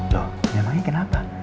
loh emangnya kenapa